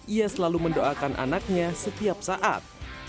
ia selalu mendoakan anaknya setiap saat